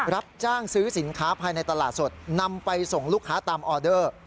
รับจ้างซื้อสินค้าภายในตลาดสดนำไปส่งลูกค้าตามออเดอร์